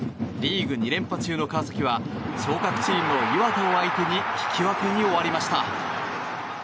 リーグ２連覇中の川崎は昇格チームの磐田を相手に引き分けに終わりました。